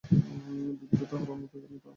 বিভূতি তাহার অনতিকাল পরে আসিয়া খবর শুনিলেন।